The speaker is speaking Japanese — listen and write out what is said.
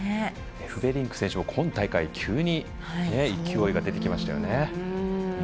エフベリンク選手も今大会急に勢いが出てきましたよね。